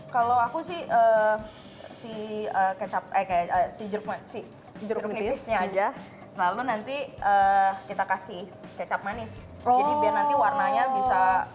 kalau aku sih si kecap aja lalu nanti kita kasih kecap manis jadi nanti warnanya bisa